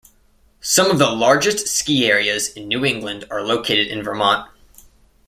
Some of the largest ski areas in New England are located in Vermont.